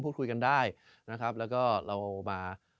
พูดคุยกันได้นะครับแล้วก็เรามา